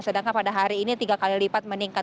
sedangkan pada hari ini tiga kali lipat meningkat